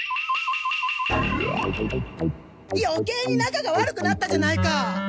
よけいに仲が悪くなったじゃないか！